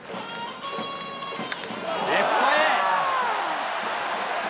レフトへ。